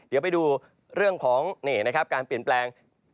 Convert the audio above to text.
เดี๋ยวไปดูเรื่องของการเปลี่ยนแปลง